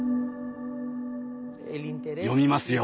読みますよ。